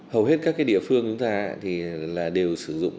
hầu hết các địa phương chúng ta đều sử dụng